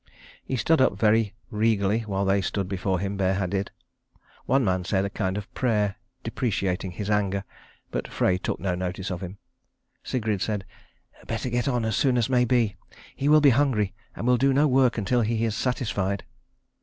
He stood up very regally while they stood before him bareheaded. One man said a kind of a prayer, deprecating his anger; but Frey took no notice of him. Sigrid said, "Better get on as soon as may be. He will be hungry, and will do no work until he is satisfied."